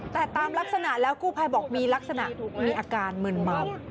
แต่ตามลักษณะแล้วกู้ภัยบอกมีลักษณะมีอาการมึนเมา